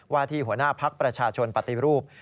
ที่หัวหน้าพักประชาชนปฏิรูป